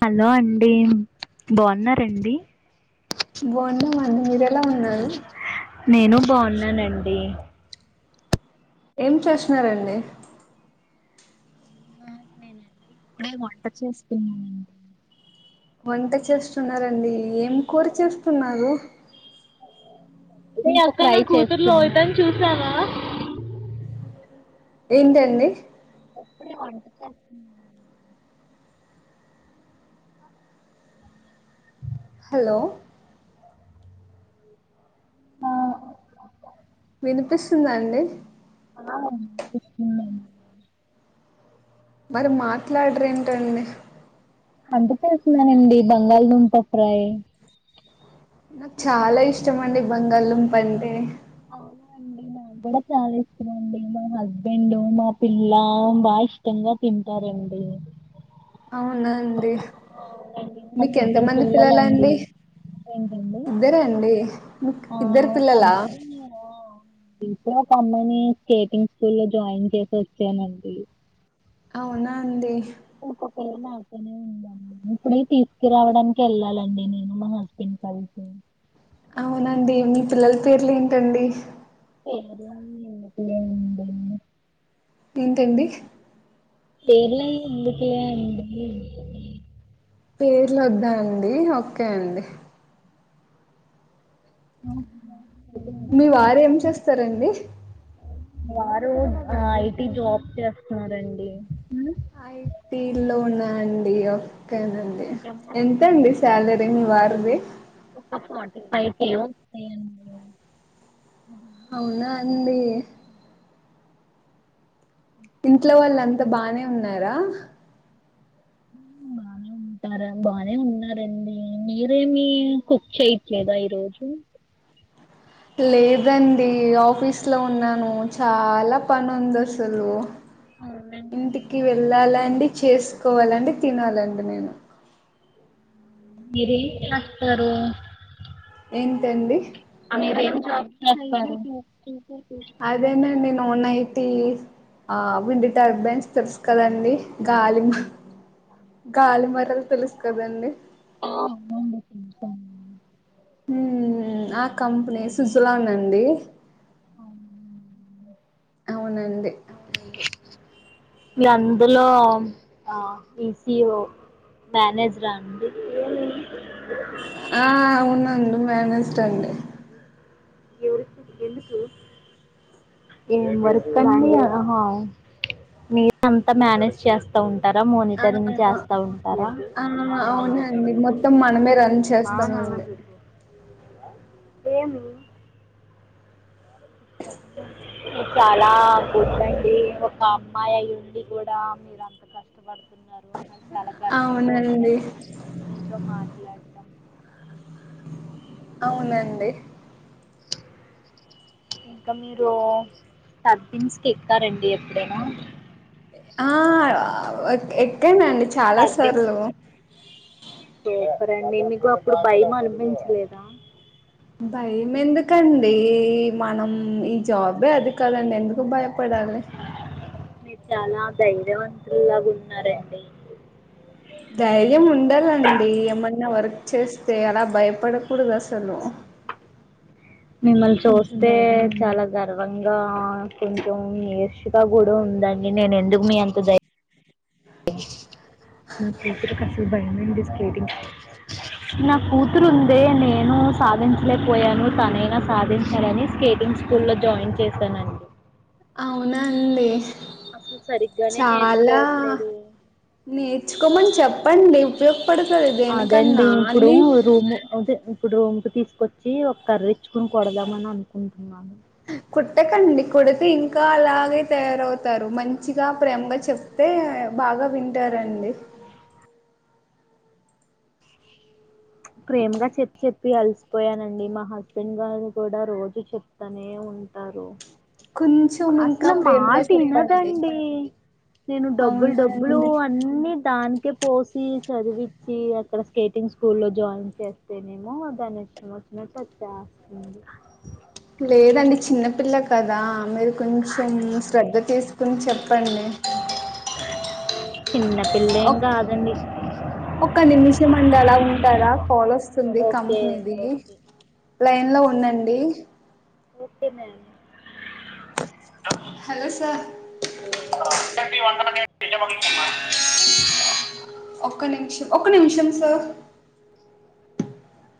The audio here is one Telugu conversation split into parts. హలో అండి బాగున్నారండి బాగుండమండి మీరు ఎలా ఉన్నారు నేను బాగున్నానండి ఏం చేస్తున్నారంండి ఆ నేనండి ఇప్పుడే వంట చేస్తున్నానండి వంట చేస్తున్నండి ఏం ఇంకరు చేస్తున్నారు నే అక్కడయి చతు లోయతని చూసావా ఏంటండి ఇప్పుడే వంట హలో వినిపిస్తుంద అండి ఆ వినిపిస్తుంది అండి మరి మాట్లాడరు ఏంటండి అంత చేస్తున్నానడి బంగాళదుంప ఫ్రై్ నాకు చాలా ఇష్టం అండి బంగాళదుంపంటే అవునా అండి నాకు కూడా చాలా ఇష్టమ అండి మా హస్బెండ్ మా పిల్ల బా ఇష్టంగా తింటారండి అవునా అండి అవునండి, నాకు మీకు ఇద్దరు ఎంతమంది పిల్లల పిల్లలండి అండి ఏంటండి ఇద్దరే అండి మీకు ఆ ఇద్దరు పిల్లలా ఇప్పుడే ఒక అమ్మని స్కేటింగ్ స్కూల్ లో జాయిన్ చేసి వచ్చానండి అవునా అందడి ఇంకొకేళ నాతోనే ఉందండి ఇప్పుడే తీసుకురావడానికి వెళ్ళాలండి నేను మా హస్బెండ్ కలిసి అవునండి మీ పిల్లల పేర్లు ఏంటండి ఎ ఎందుకు ఉ ఏంటండి లేర్లే ఎందుకు పేర్ల వద్దా అండి ఓకే అండి అవు మీ వారు ఏం చేస్తారండి వారు ఐటి జాబ్ చేస్తున్నారండి ఐటీ లోన్ అడియో దండి ఎంతండి సాలరీ వారువ ఒక ఫార్టీ ఫైవ్కి ఏస్తాయండి అవునా అండీ ఇంట్లో వాళ్ళు అంత బానే ఉన్నారా బానే ఉంటారా బానే ఉన్నారండి మీరేమిీ కుక్ చేయట్లేదా ఈరోజు లేదండి ఆఫీస్ లో ఉన్నాను చాలా పని ఉంది అసలు అవునండి ఇంటికి వెళ్ళాలా అండి చేస్త కోవాలండి తినాలండి నేను [unintelligible] ఎంతండి అ అదేనండి నన్ ఐటీ ఆ విండి టర్బైన్స్ తెలుస్ కదండి గాలిం గాలిమరలు తెలుసు కదండి ఆ, అవునండి చేశాను ఆ కంపెనీ [unintelligible] అండి [inaudible] అవునండి అందులో ఈసిఓ మేనేజరా అండి ఆ అవునండి మేనేజర్ అండి ఎవరి ఎందుకు ఏం వర్క్ అడి మీరు అంతా మేనేజ్ చేస్తా ఉంట టారా ఆ మనిటరింగ్ చేస్తా ఉంటారా ఆ అవునండి మొత్తం మనమే రన్ చేస్తామండి ఏమి చాలా కూర్చండి ఒక అమ్మాయి ఉండి కూడా మీరు అంత కష్టపడుతుారు [inaudible] అవునండి అవునండి ఇంకా మీరు టర్పిన్స్కి ఎతారండి ఎప్పుడైనా ఆ ఒక ఎక్కెనండి చాలా టర్బిన్స్ సార్లు సూపర్ అండి మీకు అప్పుడు భయం అనిపించలేదా భయం ఎందుకండి మనం ఈ జాబే అది కదండి ఎందుకు భయపడాలి మీరు చాలా ధైర్యవంతులాగా ఉన్నారండి ధైర్యం ఉన్న [unintelligible] ఏమన్నా వర్క్ చేస్తే అలా భయపడ కుడదు అసలు మిమ్మల్ని చూస్తే చాలా గర్వంగా కొంచెం [unintelligible] కూడా ఉందండి నేను ఎందుకు మీ అంత దైర్యం నా కూతురు ఉందే నేను సాధించలేకపోయాను తనైనా సాధించాలా స్కేటింగ్ స్కూల్లో జాయిన్ చేశానుఅండి అవునా అండి సరిగ్గానే చాలా నేర్చుకోవట్లేదు నేర్చుకోమని చెప్పండి ఉపయోగపడుతది అదే దేనికన్నా అండి ఇప్పుడు అన్ని రూము అదే ఇప్పుడు రూము కి తీసుకొచ్చి ఒక కర్ర ఇచ్చుకుని కొడదామని అనుకుంటున్నాను కొట్టకండి కొడితే ఇంకా అలాగే తయారవుతారు మంచిగా ప్రేమగా చెప్తే బాగా వింటారండి ప్రేమగా చెప్పి చెప్పి అలసిపోయానండి మా హస్బెండ్ గారు కూడా రోజు చెప్ప కొంచెం [unintelligible] ఇంకా అసలు ప్రేమగా మాట చెప్పండి వినదండి నేను డబ్బులు అవునా డబ్బులు అండి అన్ని దానికి పోసి చదివచ్చి అక్కడ స్టేటింగ్స్ స్కూల్ [inaudible] లేదండి చిన్న పిల్లలు కదా మీరు కొంచెం శ్రద్ధ తీసుకుని చెప్పండి చిన్నపిల్ల ఏం కాదండి. ఒక నిమిషం అండి అలా ఉంటారా కాల్ వస్తుంది ఓకే కంపెనీది ఓకే లైన్ లో ఉండండి ఓకే మ్యామ్ హలో సార్ అలా ఎలా ఉండచ్చు అండి ఒక్క నిమిషం ఒక్క నిమిషం సార్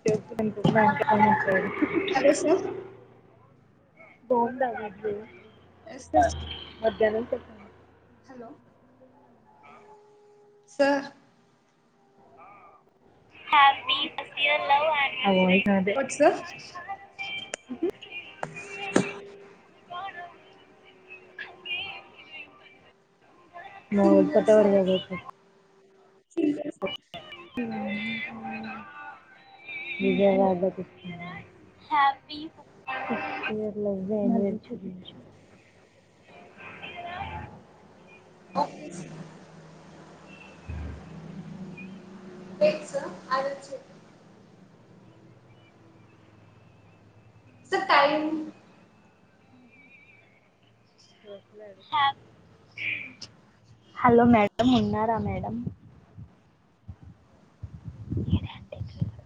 [unintelligible] టైమ్ ఇచ్చారు హలో సార్ బావుందా ఇడ్లీ ఎస్ [unintelligible] హలో ఆ సార్ ఆ happy miss you love and అది ఏమి కాదే వాట్ సార్ సింగల్ నువ్వు సార్ [unintelligible] సింగల్ విజయవాడ హ్యాపీ పుట్టినమ్ హ్యాపీ కుప్పం [unintelligible] చూపించు ఓకే సార్ పిక్స్ అరచ్చు సర్ టైం హలో మేడమ్ ఉన్నారా మేడమ్ ఇది ఏంటి [inaudible]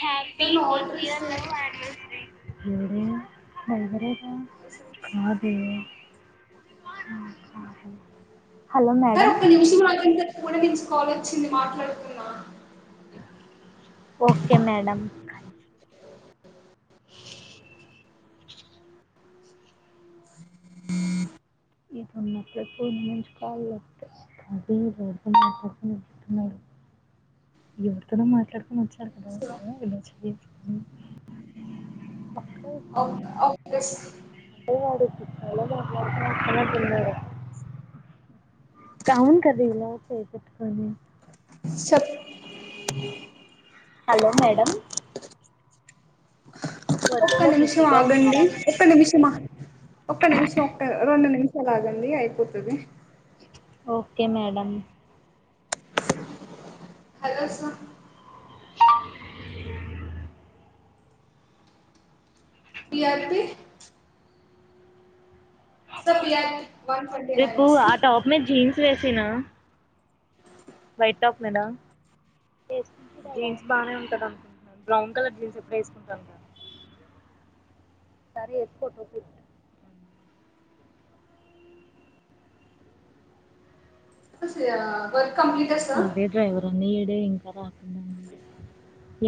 హ్యాపీ సార్ నా ఫస్ట్ ఆర్డర్ ఇయర్ ఇస్తారు లవ్ యానివర్సరీ ఎవడే [unintelligible] హ్ కాదే [unintelligible] కాదే సార్ ఒక నిముషం ఆగండి సార్ పూణే నుంచి కాల్ వచ్చింది మాట్లాడుతున్నా ఓకే మేడమ్ ఇది ఉన్నపుడే పూణే నుంచి కాల్ వొస్తే అది ఎవరితో మాట్లాడుతునాన్నట్లు ఉన్నాడు ఎవరితోన మాట్లాడుకొని వచ్చి అతను సార్ [unintelligible] అల్లో చేయరు హు అవును ఆఫ్ చేసి అంటే వాడు [unintelligible] మాట్లాడుతునట్టు ఉన్నాడు కౌంట్ కర్రీ [unintelligible] పోగోట్ కొని ష ప్ హలొ మేడమ్ ఒక్క నిమిషం బిజీగా ఆగండి ఉన్నారా మేడం ఒక్క నిమిషమ అ ఒక్క నిమిషం రెండు నిమిషాలు ఆగండి అయిపోతది okay madam hello sir C R T sir P R T రేపు ఆ టాప్ మీద జీన్స్ వేసినా వైట్ టాప్ మీద జీన్స్ బానే ఉంటద బ్రౌన్ కలర్ జీన్స్ ఎపుడు వేసుకొని రాలేదా సరే వాస్కో చూసియర మర్ కంప్లీటెడ్ సర్ అన్ని ఇడే ఇంకా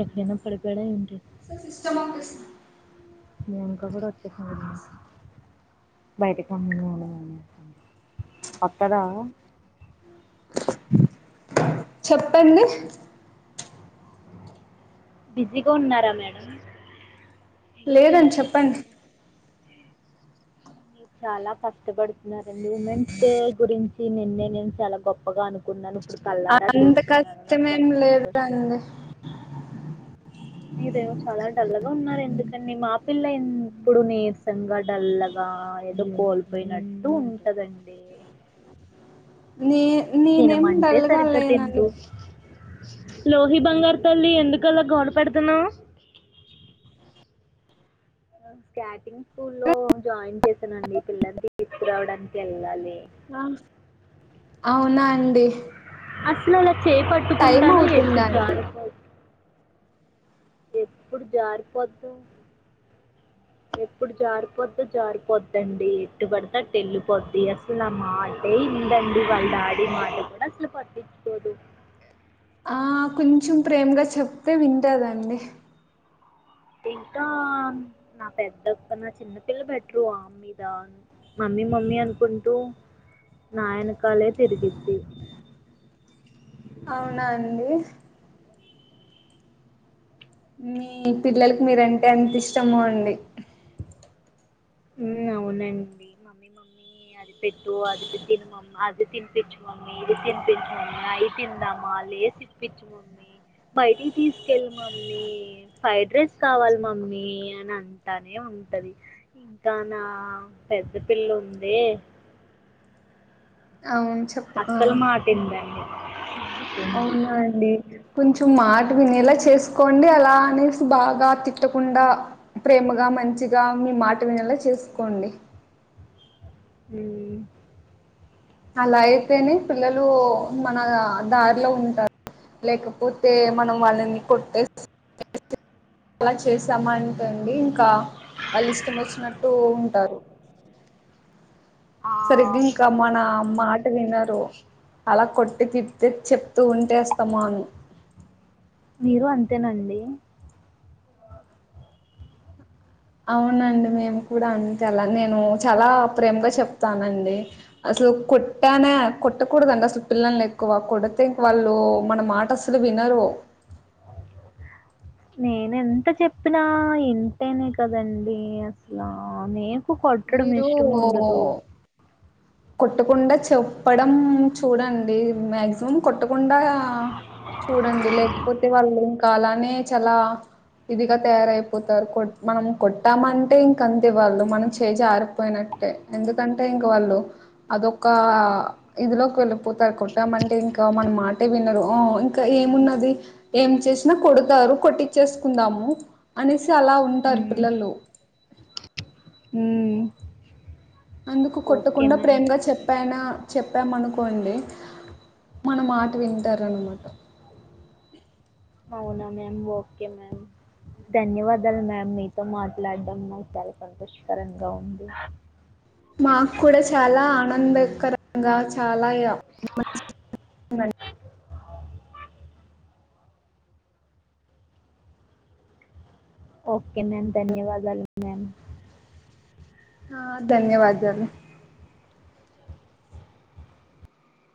ఎక్కడైనా పడిపోయాడా ఏంటి సిస్టామ్ ఆఫీస్ మౌనిక కూడ వచ్చేసింది బయటకి [unintelligible] అక్కడా చెప్పండి బిజీగ ఉన్నార మేడం ఇంకా లేదు లేదండ్ మ్యామ్ ఇది చెప్పండి కూడా మీరు చాలా కష్టపడుతున్నారండి ఉమెన్స్ డే గురించి నిన్నే నేను చాలా గొప్పగా అనుకున్నాను ఇప్పుడు కళ్ళారా అంత చూస్తున్నాను నాకు కష్టంమేం చాలా లేదు అండి మీరేదో చాలా డల్లుగా ఉన్నా రెందుకండి మా పిల్ల ఎప్పుడు నీరసంగా డల్లగా ఏదో కో కోల్పోయినట్టు ఉంటదండి నె నేనేం తినమంటే డల్లగా సరిగ్గా లేనండి తింటూ లోహి బంగారు తల్లి ఎందుకలా గోడ పెడుతున్నావు స్కాటింగ్ స్కూల్లో జాయిన్ చేసానండి పిల్లని తీసుకురావడానికి వెళ్ళాలి అ అవునా అండి నన్ను టైం చేయిపట్టుకుంటాను అవుతుందా ఎప్పుడు అండి జారిపోదు ఎప్పుడు జారిపోతు ఎప్పుడు జారిపొద్దో జారిపోద్దండి ఎటుబడితే అటు వెళ్ళిపోద్ది అసలు నా మాటే విందండి వాళ్ళ డాడి మాట కూడా అసలు పట్టించుకోదు ఆ కొంచెం ప్రేమగా చెప్తే వింటదండి ఇంకా నా పెద్దక్క నా చిన్నపిల్ల బెటరు ఆమ్మీద మీద మమ్మీ మమ్మీ అనుకుంటూ నా యనకాలే తిరిగిద్ది అవునా అండి మీ పిల్లలకు మీరంటే ఎంత ఇష్టమో అండి హుమ్ అవునండి మమ్మీ మమ్మీ అది పెట్టు అది తిను మమ్మీ అది తినిపించు మమ్మీ ఇది తినిపించి మమ్మీ అయి తిందామా లేస్ ఇప్పించు మమ్మీ బయటికి తీసుకెళ్ళు మమ్మీ ఫ్రైడ్ రైస్ కావాలి మమ్మీ అని అంటానే ఉంటది ఇంకా నా పెద్ద పిల్ల ఉందే అవును అస్సలు మాట వినదండి అవున అండి కొంచెం మాట వినేేలా చేసుకోండి అలా అనేసి బాగా తిట్టకుండా ప్రేమగా మంచిగా మీ మాట వినేలా చేసుకోండి ఉహ్మ్ అలా అయితేనే పిల్లలు మన దారిలో ఉంటారు. లేకపోతే మనం వాళ్ళని కొట్టేస్ అలా చేసాం అంటె అండి ఇంకా వాళ్ళు ఇష్టం వచ్చినట్టు ఉంటారు. ఆ! సరిగ్గా ఇంక అవును. మన మాట్ వినరు అలా కొట్టి, తిట్టి చెప్తూ ఉంటే అస్తమను. మీరు అంతేనా అండి. అవునండి మేము కూడా అంతే అలా నేను చాలా ప్రేమగా చెప్తానండి. అసలు కొట్టానే కొట్టకూడదండి అసలు పిల్లల్ని ఎక్కువ కొడితే. ఇంక వాళ్ళు మన మాట అసలు వినరు నేనెంత చెప్పినా ఇంటేనే కదండి. అసలా నేన్ కు కొట్టడం మీరు ఇష్టం ఉండదు. కొట్టకుండా చెప్పడం చూడండి. మ్యాక్సిమం కొట్టకుండా చూడండి. లేక్పోతే వాళ్ళు ఇంకా అలానే చాలా ఇదిగా తయారయిపోతారు. కొ మనం కొట్టామంటే ఇంక అంతేవాళ్ళు మనం చేజారిపోయినట్టే ఎందుకంటే. ఇంక వాళ్ళు అదొక ఇదిలోకి వెళ్ళిపోతారు. కొట్టామంటే ఇంకా మన మాటే వినరు ఇంకా హ్మ్. ఏమున్నది. ఏం చేసినా కొడతారు కొట్టిచ్చేసుకుందాము అనేసి అలా ఉంటారు. హ్మ్. పిల్లలు హ్మ్. అందుకు ఓకే కొట్టకుండా మ్యామ్. ప్రేమగా చెప్పానా. చెప్పామనుకోండి. మనం మాట వింటారున్నమాట. అవునా మ్యామ్ ఓకే మ్యామ్ ధన్యవాదాలు మ్యామ్ మీతో మాట్లాడడం. మాకు చాలా సంతోషకరంగా ఉంది. మాకు కూడా చాలా ఆనందకరంగా చాలా మం [unintelligible] ఓకే మ్యామ్ ధన్యవాదాలు మ్యామ్. ఆహ్ ధన్యవాదాలు.